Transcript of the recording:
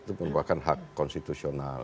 itu merupakan hak konstitusional